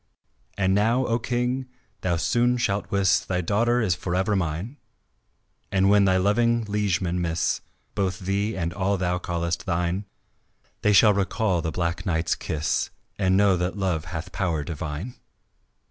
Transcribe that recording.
And now, O King, thou soon shalt wis Thy daughter is forever mine, And when thy loving liegemen miss Both thee and all thou callest thine, They shall recall the Black Knight's kiss And know that love hath power divine."